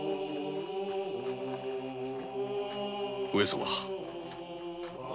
上様。